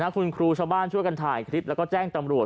คุณครูชาวบ้านช่วยกันถ่ายคลิปแล้วก็แจ้งตำรวจ